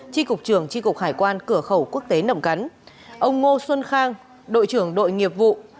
tri cục trưởng tri cục hải quan cửa khẩu quốc tế nậm cắn ông ngô xuân khang đội trưởng đội nghiệp vụ